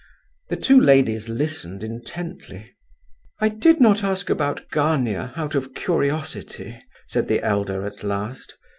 The two ladies listened intently. "I did not ask about Gania out of curiosity," said the elder, at last.